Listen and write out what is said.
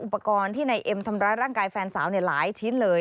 อุปกรณ์ที่นายเอ็มทำร้ายร่างกายแฟนสาวหลายชิ้นเลย